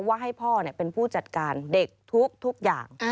ว่าให้พ่อเป็นผู้จัดการเด็กทุกอย่าง